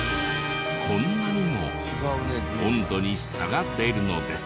こんなにも温度に差が出るのです。